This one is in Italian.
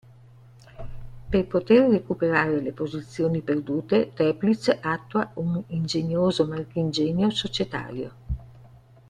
Per poter recuperare le posizioni perdute Toeplitz attua un ingegnoso marchingegno societario.